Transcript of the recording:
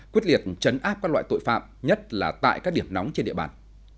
quyết liệt trấn áp các loại tội phạm nhất là tại các điểm nóng trên địa bàn